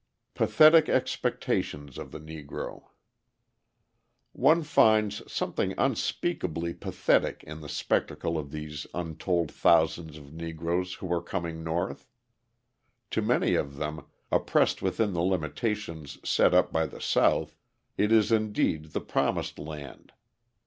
Pathetic Expectations of the Negro One finds something unspeakably pathetic in the spectacle of these untold thousands of Negroes who are coming North. To many of them, oppressed within the limitations set up by the South, it is indeed the promised land.